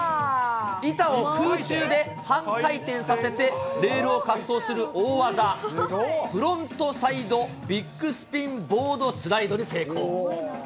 板を空中で半回転させて、レールを滑走する大技、フロントサイドビッグスピンボードスライドに成功。